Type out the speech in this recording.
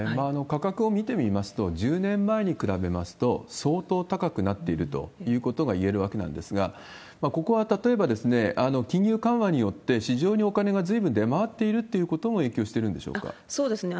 価格を見てみますと、１０年前に比べますと、相当高くなっているということがいえるわけなんですが、ここは例えば金融緩和によって、市場にお金がずいぶん出回っているということも影響してるんでしそうですね。